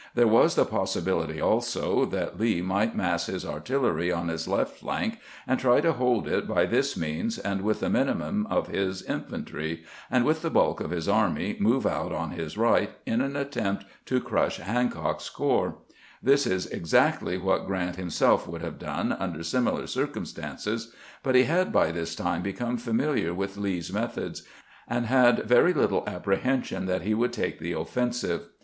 There was the possibility, also, that Lee might mass his artillery on his left flank, and try to hold it by this means and with a minimum of his infantry, and with the bulk of his army move out on his right in an attempt to crush Hancock's corps. This is exactly what Grant himseK would have done under similar circumstances; but he had by this time become familiar with Lee's methods, and had very little apprehension that he would take the offensive.